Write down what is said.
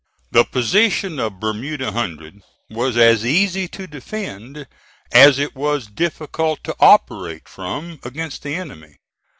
The position of Bermuda Hundred was as easy to defend as it was difficult to operate from against the enemy.